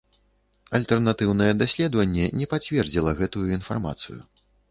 Альтэрнатыўнае даследаванне не пацвердзіла гэтую інфармацыю.